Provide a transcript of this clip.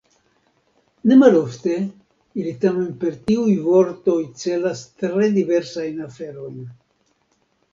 Nemalofte ili tamen per tiuj vortoj celas tre diversajn aferojn.